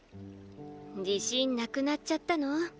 自信なくなっちゃったの？